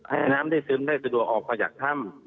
ให้น้ำได้ซึมได้สะดวกออกมาจากถ้ำ